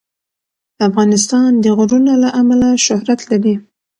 افغانستان د غرونه له امله شهرت لري.